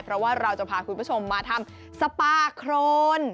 เพราะว่าเราจะพาคุณผู้ชมมาทำสปาโครน